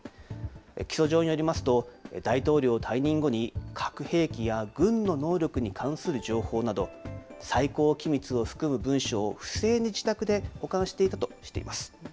起訴状によりますと、大統領退任後に核兵器や軍の能力に関する情報など、最高機密を含む文書を不正に自宅で保管していたとしています。